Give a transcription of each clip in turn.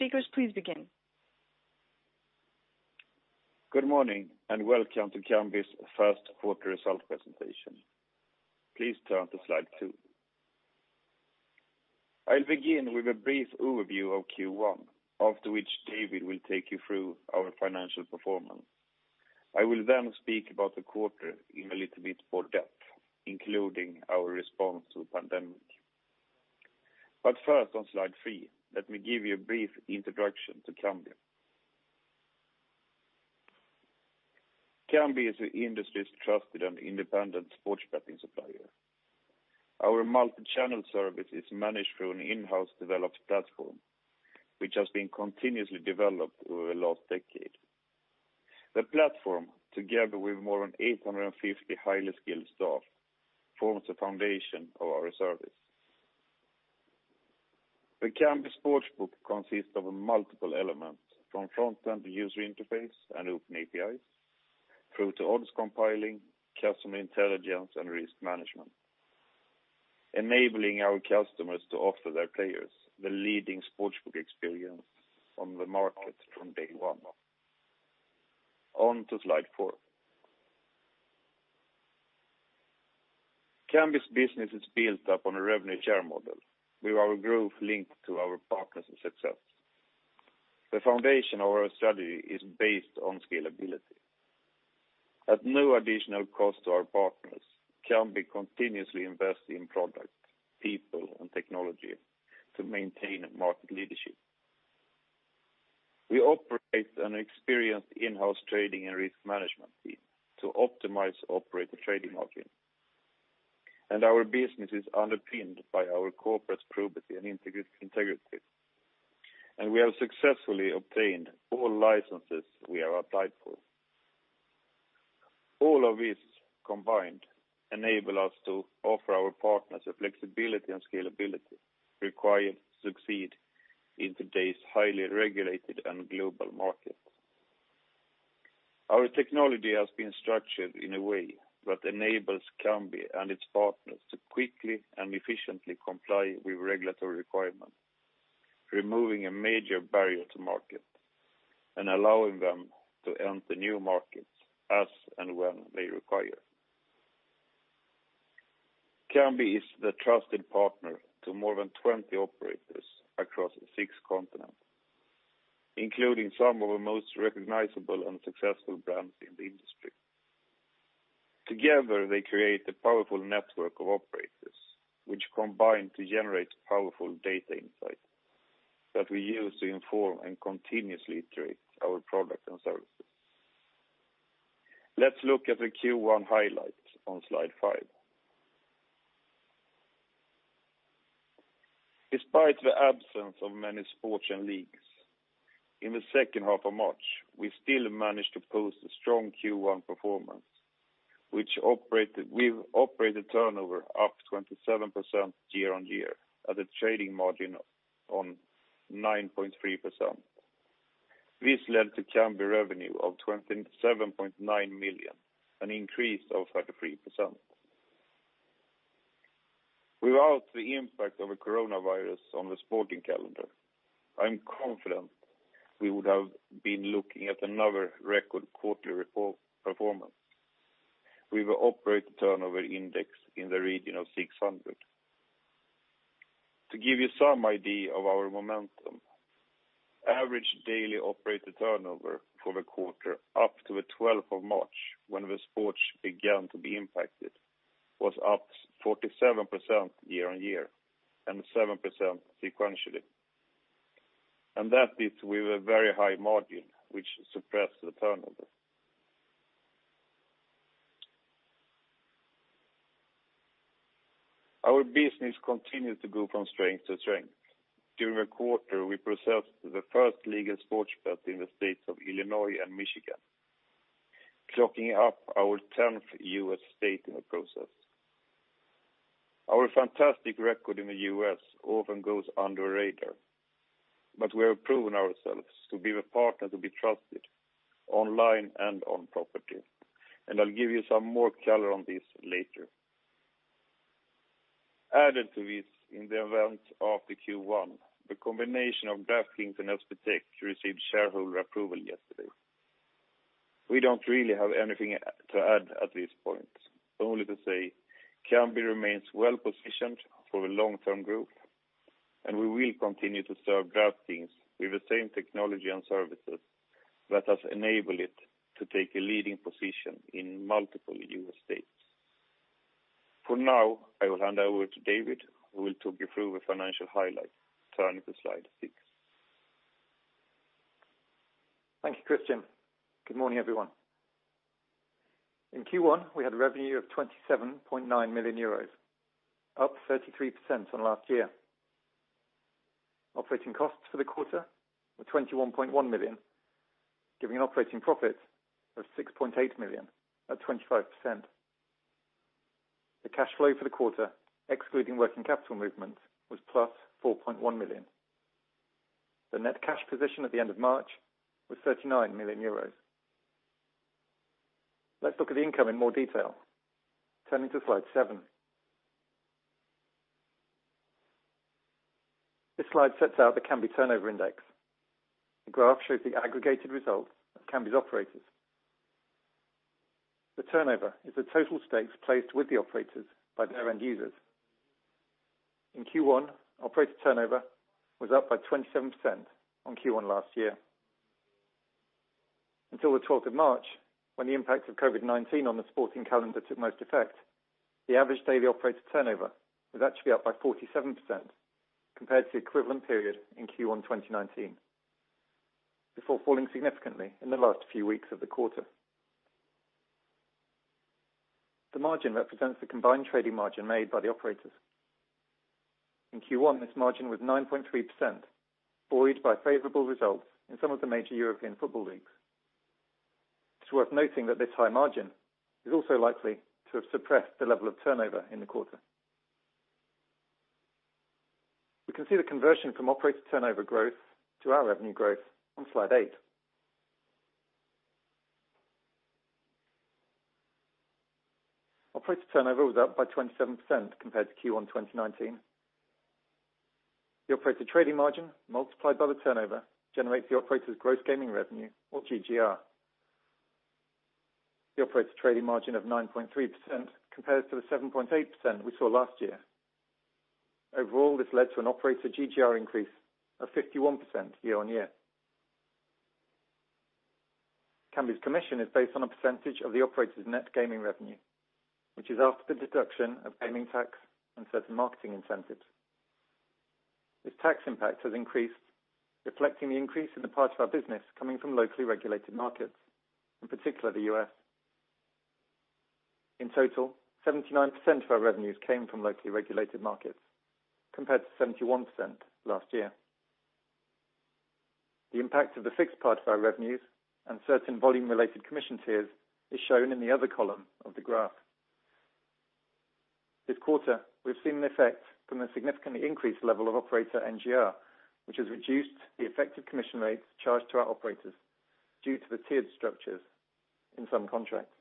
Speakers, please begin. Good morning, welcome to Kambi's first quarter result presentation. Please turn to Slide 2. I'll begin with a brief overview of Q1, after which David will take you through our financial performance. I will speak about the quarter in a little bit more depth, including our response to the pandemic. First, on Slide 3, let me give you a brief introduction to Kambi. Kambi is the industry's trusted and independent sports betting supplier. Our multi-channel service is managed through an in-house developed platform, which has been continuously developed over the last decade. The platform, together with more than 850 highly skilled staff, forms the foundation of our service. The Kambi sportsbook consists of multiple elements, from front-end user interface and open APIs through to odds compiling, customer intelligence, and risk management, enabling our customers to offer their players the leading sportsbook experience on the market from day one. On to Slide 4. Kambi's business is built upon a revenue share model, with our growth linked to our partners' success. The foundation of our strategy is based on scalability. At no additional cost to our partners, Kambi continuously invest in product, people, and technology to maintain market leadership. We operate an experienced in-house trading and risk management team to optimize operator trading margin. Our business is underpinned by our corporate probity and integrity, and we have successfully obtained all licenses we have applied for. All of this combined enable us to offer our partners the flexibility and scalability required to succeed in today's highly regulated and global market. Our technology has been structured in a way that enables Kambi and its partners to quickly and efficiently comply with regulatory requirements, removing a major barrier to market and allowing them to enter new markets as and when they require. Kambi is the trusted partner to more than 20 operators across six continents, including some of the most recognizable and successful brands in the industry. Together, they create a powerful network of operators, which combine to generate powerful data insight that we use to inform and continuously treat our product and services. Let's look at the Q1 highlights on Slide 5. Despite the absence of many sports and leagues in the second half of March, we still managed to post a strong Q1 performance, with operator turnover up 27% year-on-year at a trading margin of 9.3%. This led to Kambi revenue of 27.9 million, an increase of 33%. Without the impact of the coronavirus on the sporting calendar, I'm confident we would have been looking at another record quarterly report performance, with operator turnover index in the region of 600. To give you some idea of our momentum, average daily operator turnover for the quarter up to the 12th of March when the sports began to be impacted was up 47% year-on-year and 7% sequentially. That is with a very high margin, which suppressed the turnover. Our business continued to go from strength to strength. During the quarter, we processed the first legal sports bet in the states of Illinois and Michigan, clocking up our 10th U.S. state in the process. Our fantastic record in the U.S. often goes under the radar, but we have proven ourselves to be the partner to be trusted online and on property, and I'll give you some more color on this later. Added to this, in the event of the Q1, the combination of DraftKings and SBTech received shareholder approval yesterday. We don't really have anything to add at this point, only to say Kambi remains well-positioned for the long-term growth, and we will continue to serve DraftKings with the same technology and services that has enabled it to take a leading position in multiple U.S. states. For now, I will hand over to David, who will talk you through the financial highlights. Turning to Slide 6. Thank you, Kristian. Good morning, everyone. In Q1, we had revenue of EUR 27.9 million, up 33% on last year. Operating costs for the quarter were 21.1 million, giving an operating profit of 6.8 million at 25%. The cash flow for the quarter, excluding working capital movements, was +4.1 million. The net cash position at the end of March was 39 million euros. Let's look at the income in more detail. Turning to Slide 7. This slide sets out the Kambi turnover index. The graph shows the aggregated results of Kambi's operators. The turnover is the total stakes placed with the operators by their end users. In Q1, operator turnover was up by 27% on Q1 last year. Until the 12th of March, when the impact of COVID-19 on the sporting calendar took most effect, the average daily operator turnover was actually up by 47% compared to the equivalent period in Q1 2019, before falling significantly in the last few weeks of the quarter. The margin represents the combined trading margin made by the operators. In Q1, this margin was 9.3%, buoyed by favorable results in some of the major European football leagues. It's worth noting that this high margin is also likely to have suppressed the level of turnover in the quarter. We can see the conversion from operator turnover growth to our revenue growth on Slide 8. Operator turnover was up by 27% compared to Q1 2019. The operator trading margin, multiplied by the turnover, generates the operator's gross gaming revenue or GGR. The operator trading margin of 9.3% compares to the 7.8% we saw last year. Overall, this led to an operator GGR increase of 51% year-on-year. Kambi's commission is based on a percentage of the operator's net gaming revenue, which is after the deduction of gaming tax and certain marketing incentives. This tax impact has increased, reflecting the increase in the part of our business coming from locally regulated markets, in particular the U.S. In total, 79% of our revenues came from locally regulated markets, compared to 71% last year. The impact of the fixed part of our revenues and certain volume-related commission tiers is shown in the other column of the graph. This quarter, we've seen the effect from the significantly increased level of operator NGR, which has reduced the effective commission rates charged to our operators due to the tiered structures in some contracts.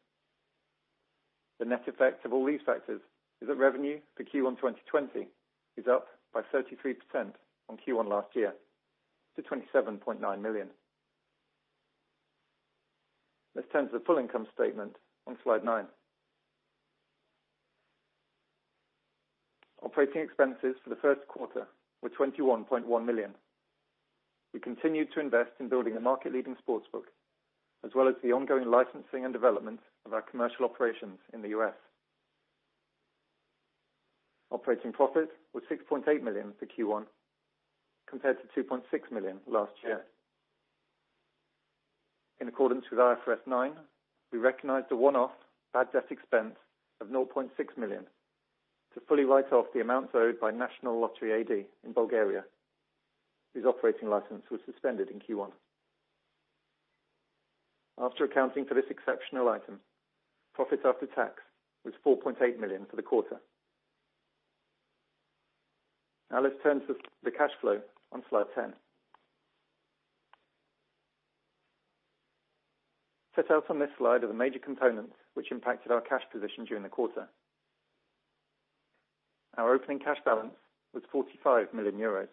The net effect of all these factors is that revenue for Q1 2020 is up by 33% on Q1 last year to 27.9 million. Let's turn to the full income statement on Slide 9. Operating expenses for the first quarter were 21.1 million. We continued to invest in building a market-leading sportsbook, as well as the ongoing licensing and development of our commercial operations in the U.S. Operating profit was 6.8 million for Q1 compared to 2.6 million last year. In accordance with IFRS 9, we recognized a one-off bad debt expense of 0.6 million to fully write off the amounts owed by National Lottery AD in Bulgaria, whose operating license was suspended in Q1. After accounting for this exceptional item, profit after tax was 4.8 million for the quarter. Let's turn to the cash flow on Slide 10. Set out on this slide are the major components which impacted our cash position during the quarter. Our opening cash balance was 45 million euros.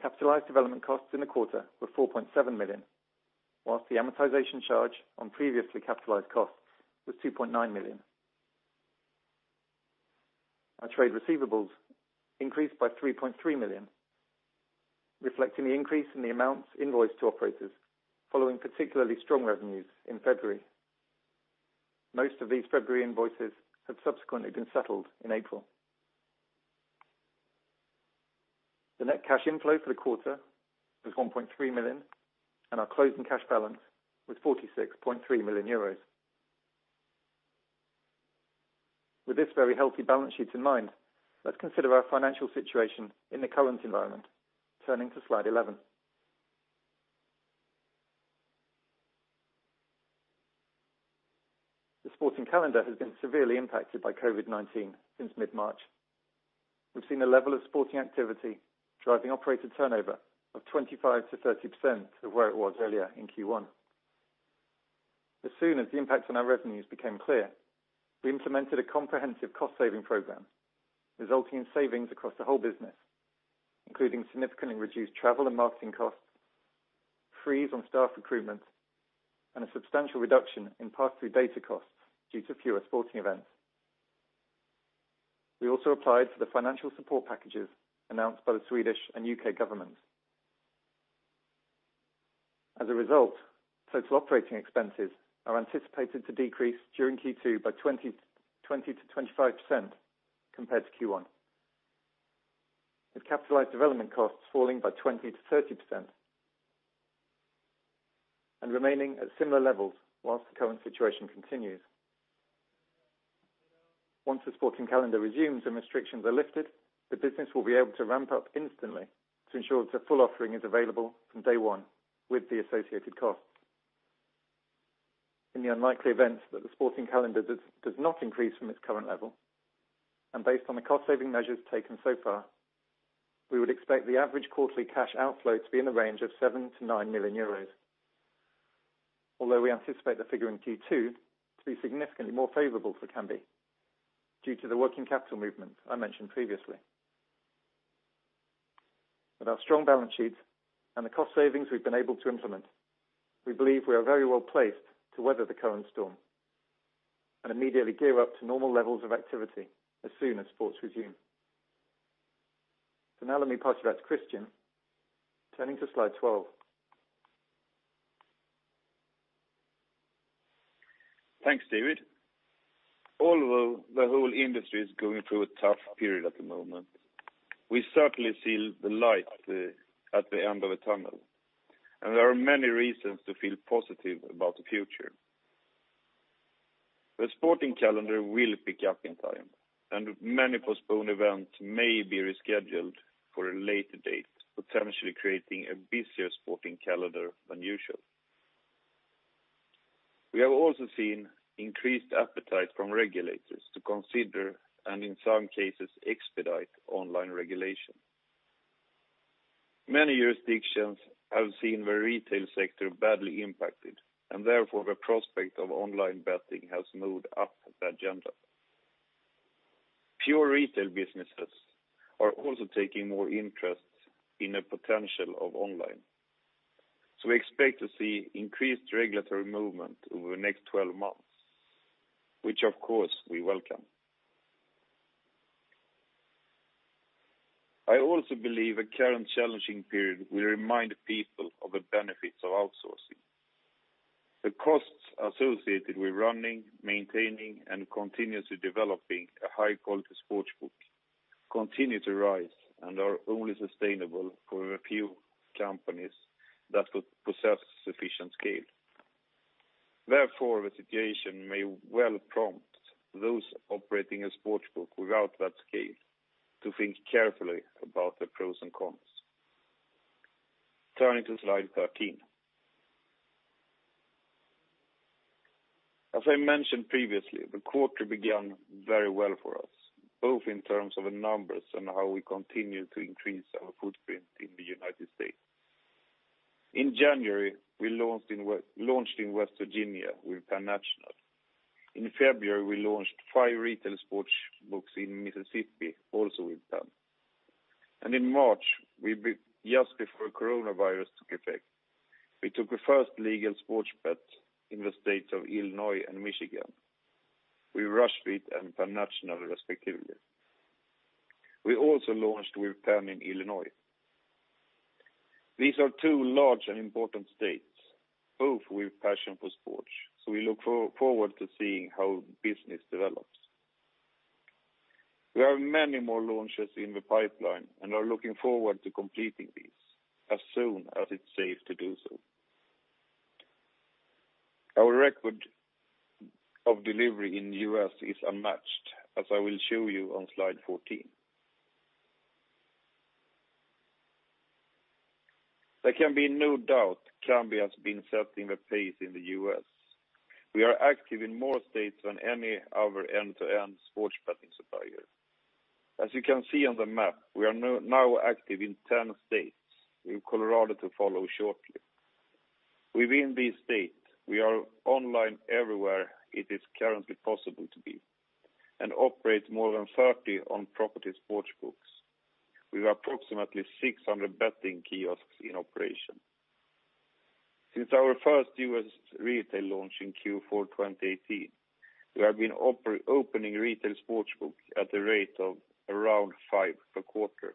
Capitalized development costs in the quarter were 4.7 million, whilst the amortization charge on previously capitalized costs was 2.9 million. Our trade receivables increased by 3.3 million, reflecting the increase in the amounts invoiced to operators following particularly strong revenues in February. Most of these February invoices have subsequently been settled in April. The net cash inflow for the quarter was 1.3 million, and our closing cash balance was 46.3 million euros. With this very healthy balance sheet in mind, let's consider our financial situation in the current environment. Turning to Slide 11. The sporting calendar has been severely impacted by COVID-19 since mid-March. We've seen a level of sporting activity driving operator turnover of 25%-30% of where it was earlier in Q1. As soon as the impact on our revenues became clear, we implemented a comprehensive cost-saving program, resulting in savings across the whole business, including significantly reduced travel and marketing costs, freeze on staff recruitment, and a substantial reduction in pass-through data costs due to fewer sporting events. We also applied for the financial support packages announced by the Swedish and U.K. governments. As a result, total OpEx are anticipated to decrease during Q2 by 20%-25% compared to Q1, with capitalized development costs falling by 20%-30% and remaining at similar levels whilst the current situation continues. Once the sporting calendar resumes and restrictions are lifted, the business will be able to ramp up instantly to ensure its full offering is available from day one with the associated costs. In the unlikely event that the sporting calendar does not increase from its current level and based on the cost-saving measures taken so far, we would expect the average quarterly cash outflow to be in the range of 7 million-9 million euros. Although we anticipate the figure in Q2 to be significantly more favorable for Kambi due to the working capital movement I mentioned previously. With our strong balance sheet and the cost savings we've been able to implement, we believe we are very well-placed to weather the current storm and immediately gear up to normal levels of activity as soon as sports resume. Now let me pass you back to Kristian. Turning to Slide 12. Thanks, David. Although the whole industry is going through a tough period at the moment, we certainly see the light at the end of the tunnel. There are many reasons to feel positive about the future. The sporting calendar will pick up in time. Many postponed events may be rescheduled for a later date, potentially creating a busier sporting calendar than usual. We have also seen increased appetite from regulators to consider, and in some cases expedite online regulation. Many jurisdictions have seen the retail sector badly impacted. Therefore, the prospect of online betting has moved up the agenda. Pure retail businesses are also taking more interest in the potential of online. We expect to see increased regulatory movement over the next 12 months, which, of course, we welcome. I also believe the current challenging period will remind people of the benefits of outsourcing. The costs associated with running, maintaining, and continuously developing a high-quality sportsbook continue to rise and are only sustainable for a few companies that possess sufficient scale. Therefore, the situation may well-prompt those operating a sportsbook without that scale to think carefully about the pros and cons. Turning to Slide 13. As I mentioned previously, the quarter began very well for us, both in terms of the numbers and how we continue to increase our footprint in the United States. In January, we launched in West Virginia with Penn National. In February, we launched five retail sportsbooks in Mississippi, also with Penn. In March, just before coronavirus took effect, we took the first legal sports bet in the state of Illinois and Michigan with Rush Street and Penn National respectively. We also launched with Penn in Illinois. These are two large and important states, both with passion for sports. We look forward to seeing how business develops. We have many more launches in the pipeline and are looking forward to completing these as soon as it's safe to do so. Our record of delivery in the U.S. is unmatched, as I will show you on Slide 14. There can be no doubt Kambi has been setting the pace in the U.S. We are active in more states than any other end-to-end sports betting supplier. As you can see on the map, we are now active in 10 states, with Colorado to follow shortly. Within these states, we are online everywhere it is currently possible to be and operate more than 30 on-property sportsbooks, with approximately 600 betting kiosks in operation. Since our first U.S. retail launch in Q4 2018, we have been opening retail sportsbooks at the rate of around five per quarter.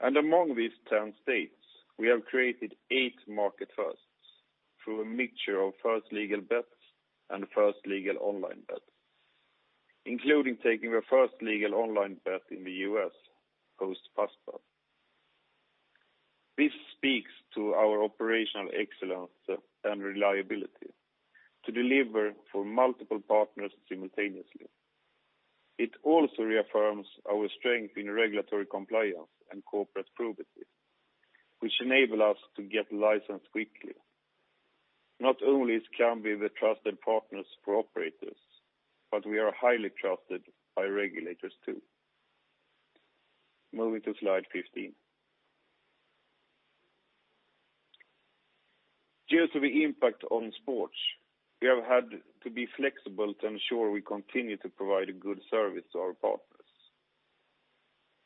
Among these 10 states, we have created eight market firsts through a mixture of first legal bets and first legal online bets, including taking the first legal online bet in the U.S., post-PASPA. This speaks to our operational excellence and reliability to deliver for multiple partners simultaneously. It also reaffirms our strength in regulatory compliance and corporate probity, which enable us to get licensed quickly. Not only is Kambi the trusted partners for operators, but we are highly trusted by regulators, too. Moving to Slide 15. Due to the impact on sports, we have had to be flexible to ensure we continue to provide a good service to our partners.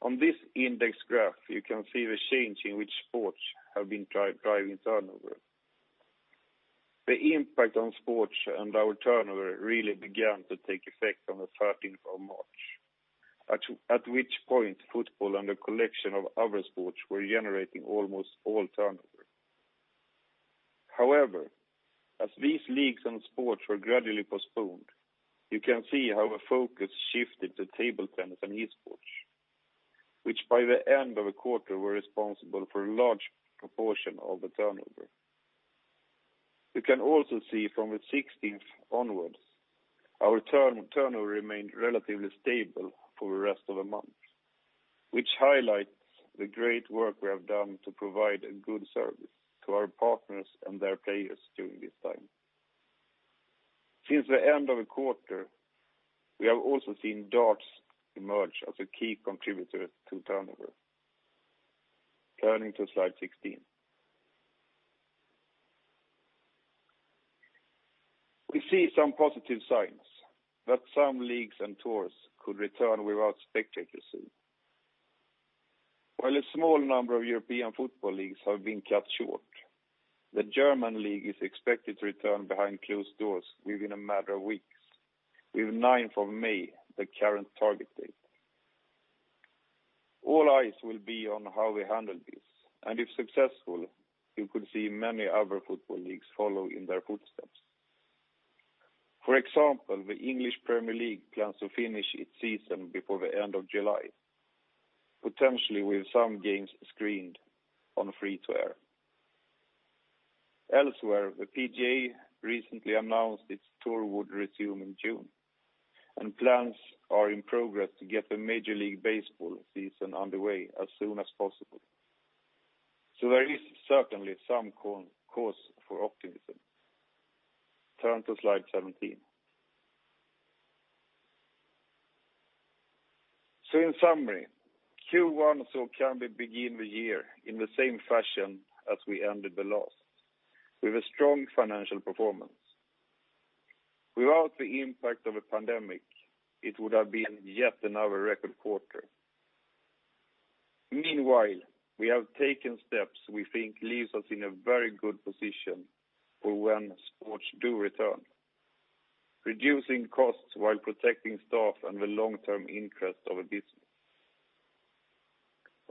On this index graph, you can see the change in which sports have been driving turnover. The impact on sports and our turnover really began to take effect on the 13th of March, at which point football and a collection of other sports were generating almost all turnover. However, as these leagues and sports were gradually postponed, you can see how the focus shifted to table tennis and esports, which by the end of the quarter, were responsible for a large proportion of the turnover. You can also see from the 16th onwards, our turnover remained relatively stable for the rest of the month, which highlights the great work we have done to provide a good service to our partners and their players during this time. Since the end of the quarter, we have also seen darts emerge as a key contributor to turnover. Turning to Slide 16. We see some positive signs that some leagues and tours could return without spectators soon. While a small number of European football leagues have been cut short, the German league is expected to return behind closed doors within a matter of weeks, with 9th of May, the current target date. All eyes will be on how we handle this, and if successful, we could see many other football leagues follow in their footsteps. For example, the English Premier League plans to finish its season before the end of July, potentially with some games screened on free-to-air. Elsewhere, the PGA recently announced its tour would resume in June, and plans are in progress to get the Major League Baseball season underway as soon as possible. There is certainly some cause for optimism. Turn to Slide 17. In summary, Q1 saw Kambi begin the year in the same fashion as we ended the last, with a strong financial performance. Without the impact of the pandemic, it would have been yet another record quarter. Meanwhile, we have taken steps we think leaves us in a very good position for when sports do return. Reducing costs while protecting staff and the long-term interest of the business.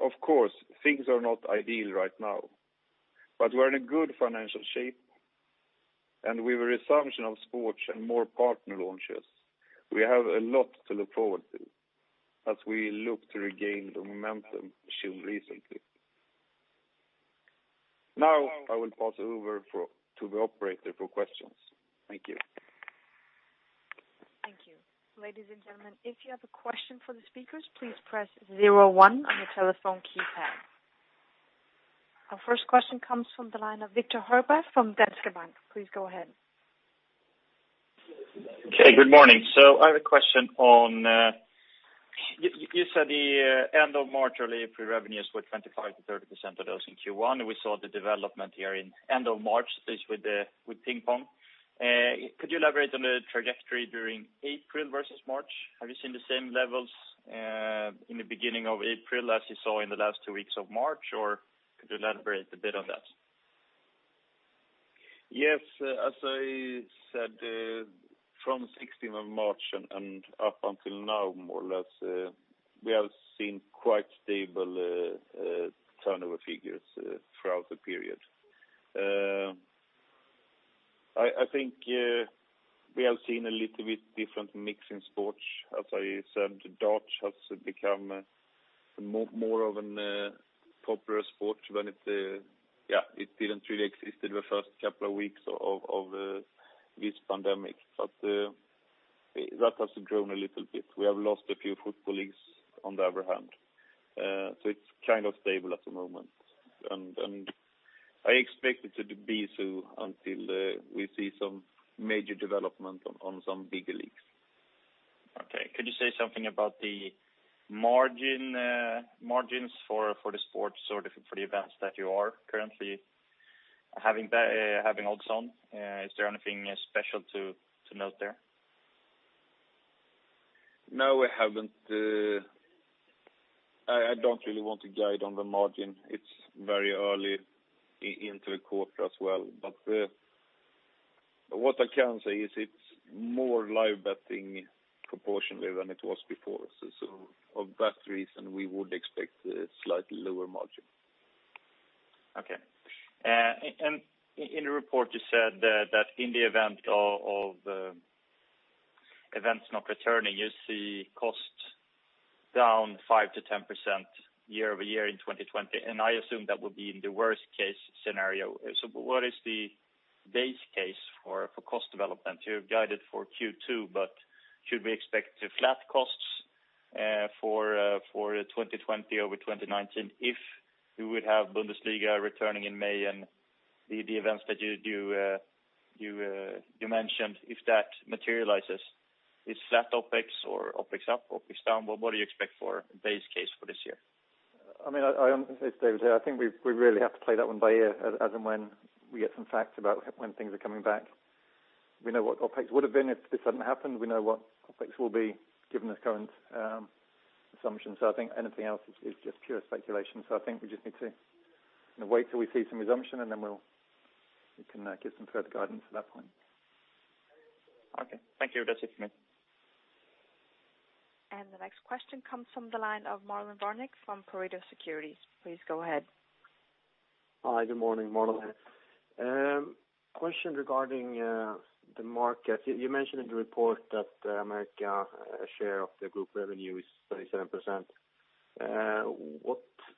Of course, things are not ideal right now, but we're in a good financial shape. With a resumption of sports and more partner launches, we have a lot to look forward to as we look to regain the momentum seen recently. Now, I will pass over to the operator for questions. Thank you. Thank you. Ladies and gentlemen, if you have a question for the speakers, please press zero one on your telephone keypad. Our first question comes from the line of Viktor Högberg from Danske Bank. Please go ahead. Okay, good morning. I have a question on You said the end of March early April revenues were 25%-30% of those in Q1. We saw the development here in end of March, at least with ping pong. Could you elaborate on the trajectory during April versus March? Have you seen the same levels in the beginning of April as you saw in the last two weeks of March, or could you elaborate a bit on that? Yes. As I said, from 16th of March and up until now, more or less, we have seen quite stable turnover figures throughout the period. I think we have seen a little bit different mix in sports. As I said, darts has become more of a popular sport when it didn't really exist in the first couple of weeks of this pandemic. That has grown a little bit. We have lost a few football leagues on the other hand. It's kind of stable at the moment, and I expect it to be so until we see some major development on some bigger leagues. Okay. Could you say something about the margins for the sports or for the events that you are currently having odds on? Is there anything special to note there? No, I don't really want to guide on the margin. It's very early into the quarter as well. What I can say is it's more live betting proportionally than it was before. For that reason, we would expect a slightly lower margin. In the report, you said that in the event of events not returning, you see costs down 5%-10% year-over-year in 2020, and I assume that would be in the worst-case scenario. What is the base case for cost development? You have guided for Q2, should we expect flat costs for 2020 over 2019 if we would have Bundesliga returning in May and the events that you mentioned, if that materializes? Is flat OpEx or OpEx up, OpEx down? What do you expect for base case for this year? As David said, I think we really have to play that one by ear as and when we get some facts about when things are coming back. We know what OpEx would have been if this hadn't happened. We know what OpEx will be given the current assumptions. I think anything else is just pure speculation. I think we just need to wait till we see some resumption, and then we can give some further guidance at that point. Okay. Thank you. That's it for me. The next question comes from the line of Marlon Värnik from Pareto Securities. Please go ahead. Hi, good morning. Marlon here. Question regarding the market. You mentioned in the report that America share of the group revenue is 37%.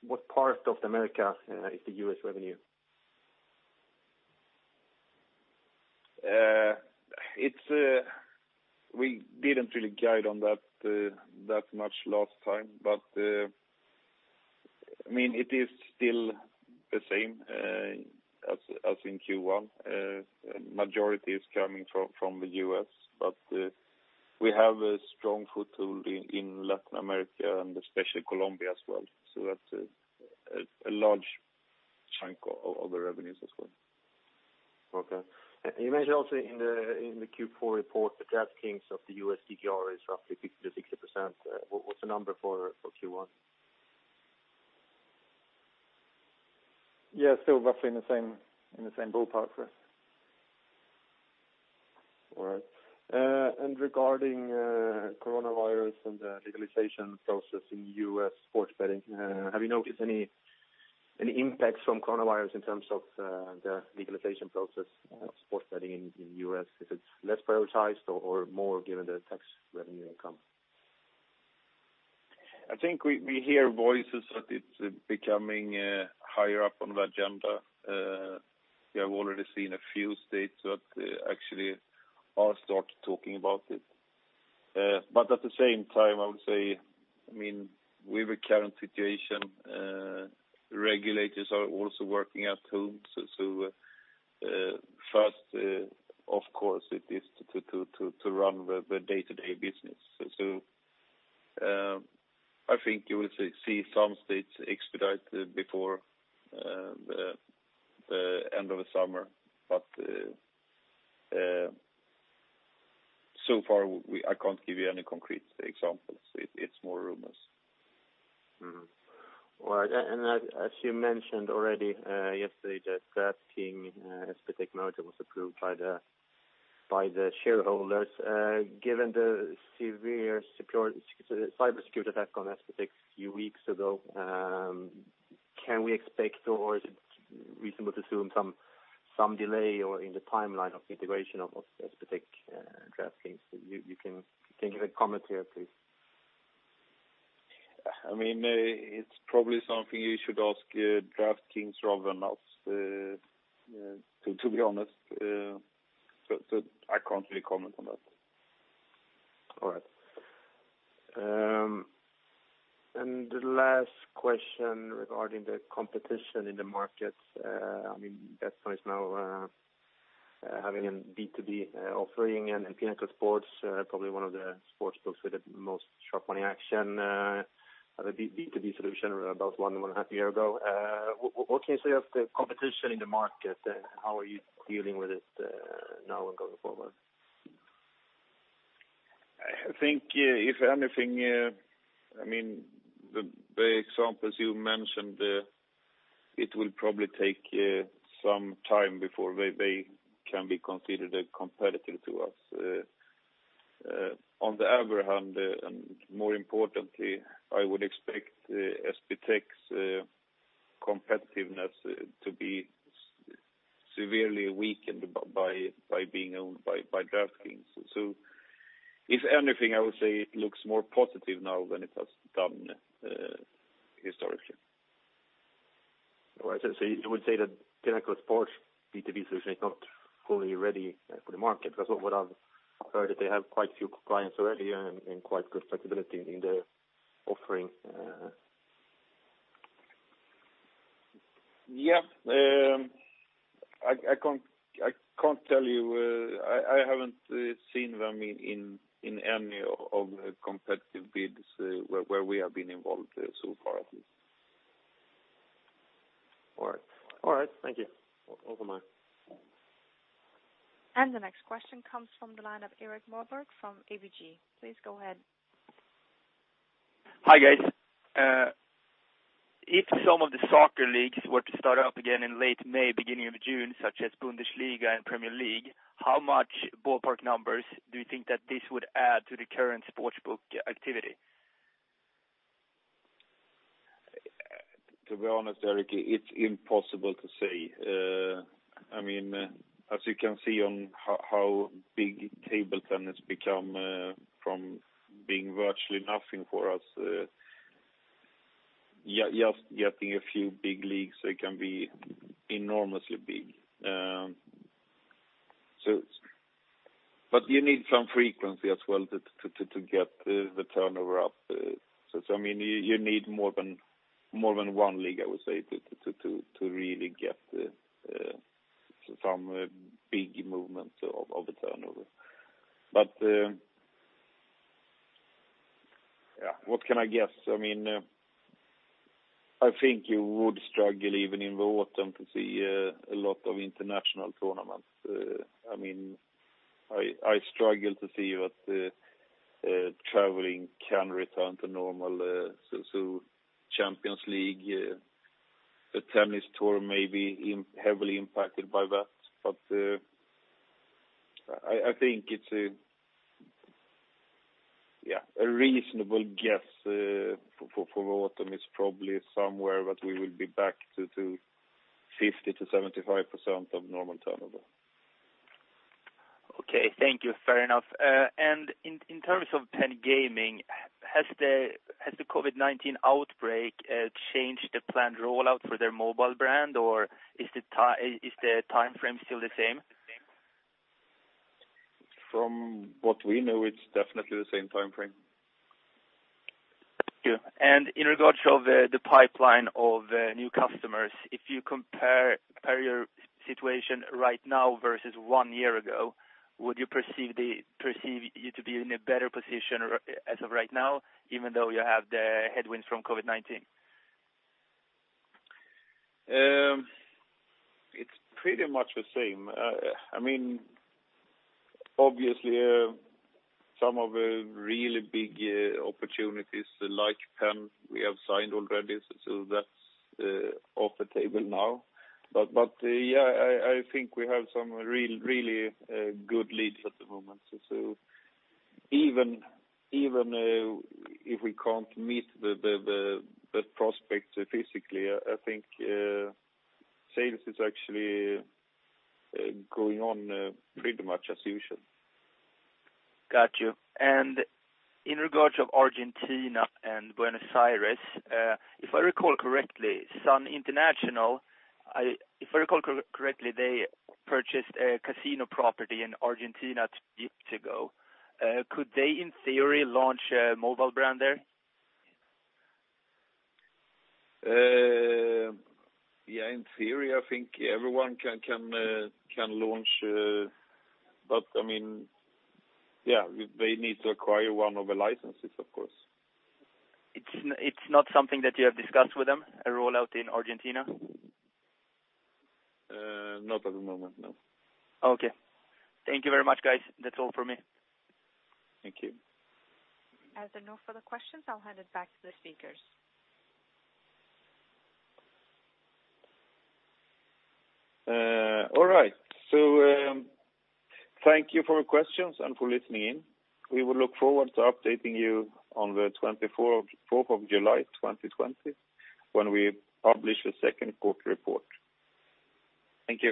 What part of the Americas is the U.S. revenue? We didn't really guide on that much last time. It is still the same as in Q1. Majority is coming from the U.S., but we have a strong foothold in Latin America and especially Colombia as well. That's a large chunk of the revenues as well. Okay. You mentioned also in the Q4 report that DraftKings of the U.S. GGR is roughly 50%-60%. What's the number for Q1? Yeah, still roughly in the same ballpark. All right. Regarding coronavirus and the legalization process in U.S. sports betting, have you noticed any impacts from coronavirus in terms of the legalization process of sports betting in the U.S.? Is it less prioritized or more given the tax revenue income? I think we hear voices that it's becoming higher up on the agenda. We have already seen a few states that actually are start talking about it. At the same time, I would say, with the current situation, regulators are also working at home. First, of course, it is to run the day-to-day business. I think you will see some states expedite before the end of the summer. So far, I can't give you any concrete examples. It's more rumors. All right. As you mentioned already, yesterday that DraftKings SBTech merger was approved by the shareholders. Given the severe cybersecurity attack on SBTech a few weeks ago, can we expect, or is it reasonable to assume some delay in the timeline of integration of SBTech DraftKings? You can give a comment here, please. It's probably something you should ask DraftKings rather than us, to be honest. I can't really comment on that. All right. The last question regarding the competition in the market, Betsson is now having a B2B offering and Pinnacle Sports, probably one of the sportsbooks with the most sharp money action, have a B2B solution about one and a half year ago. What can you say of the competition in the market, and how are you dealing with it now and going forward? I think if anything, the examples you mentioned, it will probably take some time before they can be considered a competitor to us. On the other hand, and more importantly, I would expect SBTech's competitiveness to be severely weakened by being owned by DraftKings. If anything, I would say it looks more positive now than it has done historically. All right. You would say that Pinnacle B2B solution is not fully ready for the market? Because what I've heard that they have quite a few clients already and quite good flexibility in the offering. Yeah. I can't tell you. I haven't seen them in any of the competitive bids where we have been involved so far at least. All right. Thank you. Over and out. The next question comes from the line of Erik Moberg from ABG. Please go ahead. Hi, guys. If some of the soccer leagues were to start up again in late May, beginning of June, such as Bundesliga and Premier League, how much ballpark numbers do you think that this would add to the current sportsbook activity? To be honest, Erik, it's impossible to say. As you can see on how big table tennis become from being virtually nothing for us. Just getting a few big leagues, it can be enormously big. You need some frequency as well to get the turnover up. You need more than one league, I would say, to really get some big movements of the turnover. What can I guess? I think you would struggle even in the autumn to see a lot of international tournaments. I struggle to see that traveling can return to normal. Champions League, the tennis tour may be heavily impacted by that. I think a reasonable guess for autumn is probably somewhere that we will be back to 50%-75% of normal turnover. Okay. Thank you. Fair enough. In terms of Penn Gaming, has the COVID-19 outbreak changed the planned rollout for their mobile brand, or is the timeframe still the same? From what we know, it's definitely the same timeframe. Thank you. In regards of the pipeline of new customers, if you compare your situation right now versus one year ago, would you perceive you to be in a better position as of right now, even though you have the headwinds from COVID-19? It's pretty much the same. Obviously, some of the really big opportunities, like Penn, we have signed already, so that's off the table now. Yeah, I think we have some really good leads at the moment. Even if we can't meet the best prospects physically, I think sales is actually going on pretty much as usual. Got you. In regards of Argentina and Buenos Aires, if I recall correctly, Sun International, they purchased a casino property in Argentina two years ago. Could they, in theory, launch a mobile brand there? Yeah, in theory, I think everyone can launch. They need to acquire one of the licenses, of course. It's not something that you have discussed with them, a rollout in Argentina? Not at the moment, no. Okay. Thank you very much, guys. That's all from me. Thank you. As there are no further questions, I'll hand it back to the speakers. All right. Thank you for your questions and for listening in. We will look forward to updating you on the 24th of July 2020, when we publish the second quarter report. Thank you.